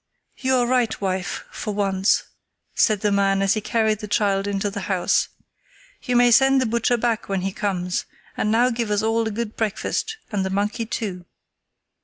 "You are right, wife, for once," said the man as he carried the child into the house. "You may send the butcher back when he comes, and now give us all a good breakfast and the monkey too."